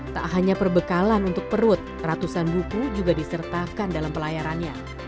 tak hanya perbekalan untuk perut ratusan buku juga disertakan dalam pelayarannya